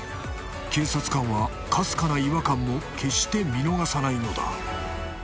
警察官はかすかな違和感も決して見逃さないのだ